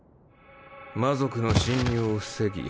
魔族の侵入を防ぎ